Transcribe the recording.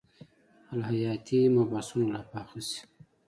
الهیاتي مبحثونه لا پاخه شي.